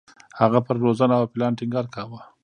هغه پر روزنه او پلان ټینګار کاوه.